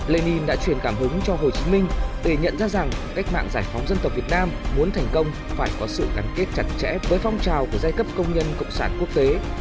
lenin đã truyền cảm hứng cho hồ chí minh để nhận ra rằng cách mạng giải phóng dân tộc việt nam muốn thành công phải có sự gắn kết chặt chẽ với phong trào của giai cấp công nhân cộng sản quốc tế